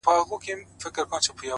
علم د پوهې بنسټ جوړوي،